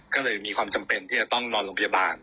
ก็เลยมีความจำเป็นที่จะต้องนอนโรงพยาบาล